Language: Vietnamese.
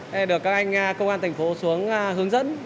đây là được các anh công an thành phố xuống hướng dẫn